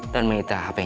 dan menginter hpnya